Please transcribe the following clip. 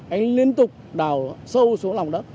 anh liên tục đào sâu xuống lòng đất